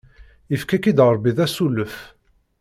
Ifka-k-id Ṛebbi d asulef!